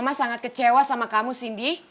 mama sangat kecewa sama kamu cindy